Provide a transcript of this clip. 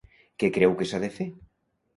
Què creu que s'ha de fer?